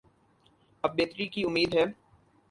اب بہتری کی امید ہے۔